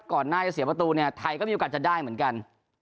ก่อนหน้าจะเสียประตูเนี่ยไทยก็มีโอกาสจะได้เหมือนกัน